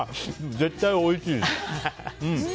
絶対おいしい。